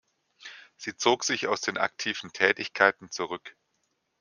Sie zog sich aus den aktiven Tätigkeiten zurück.